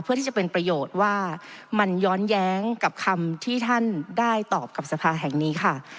เพื่อที่จะเป็นประโยชน์ว่ามันย้อนแย้งกับคำที่ท่านได้ตอบกับสภาแห่งนี้ค่ะ